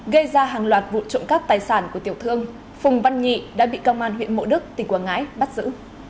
gây ra hàng loạt vụ trộm cắp tài sản của tiểu thương phùng văn nhị đã bị công an huyện mộ đức tỉnh quảng ngãi bắt giữ